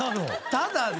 ただね